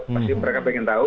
pasti mereka ingin tahu